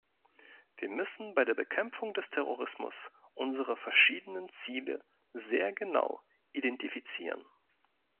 Wir müssen bei der Bekämpfung des Terrorismus unsere verschiedenen Ziele sehr genau identifizieren.